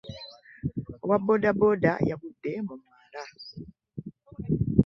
Owa bodaboda yagudde mu mwala.